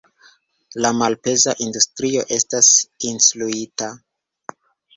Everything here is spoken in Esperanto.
La malpeza industrio estas incluita?